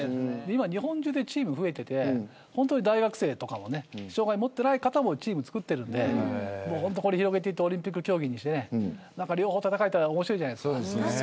日本中でチームが増えていて大学生とかも障害を持っていない方もチーム作っているので広げていってオリンピック競技にして両方戦えたら面白いじゃないですか。